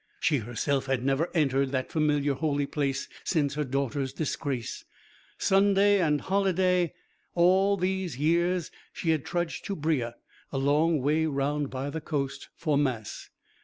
She herself had never entered that familiar holy place since her daughter's disgrace. Sunday and holiday all these years she had trudged to Breagh, a long way round by the coast, for mass.